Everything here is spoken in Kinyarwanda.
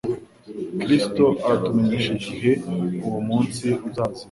Kristo aratumenyesha igihe uwo munsi uzazira.